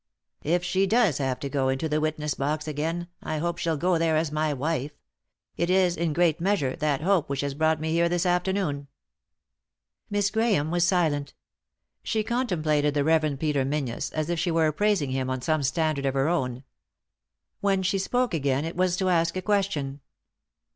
" If she does have to go into the witness box again, I hope she'll go there as my wife. It is, in great measure, that hope which has brought me here this afternoon." Miss Grahame was silent. She contemplated the Rev. Peter Menzies as if she were appraising him on some standard of her own. When she spoke again it was to ask a question.